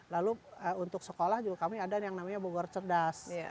lalu untuk sekolah juga kami ada yang namanya bogor cerdas